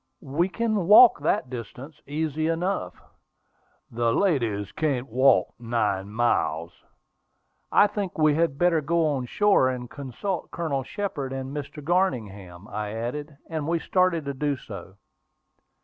"We can walk that distance easy enough." "The ladies can't walk nine miles." "I think we had better go on shore and consult Colonel Shepard and Mr. Garningham," I added; and we started to do so.